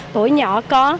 tuổi nhỏ có